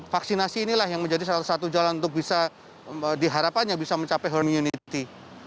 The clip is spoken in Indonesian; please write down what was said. vaksinasi inilah yang menjadi salah satu jalan untuk bisa diharapkannya bisa mencapai herd immunity